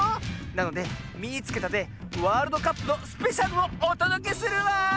なので「みいつけた！」でワールドカップのスペシャルをおとどけするわ！